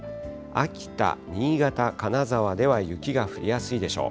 秋田、新潟、金沢では雪が降りやすいでしょう。